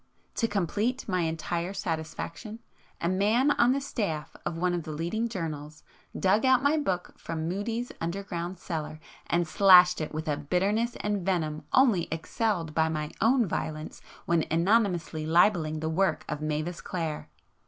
To complete my entire satisfaction, a man on the staff of one of the leading journals, dug out my book from Mudie's underground cellar, and 'slashed' it with a bitterness and venom only excelled by my own violence when anonymously libelling the work of Mavis Clare!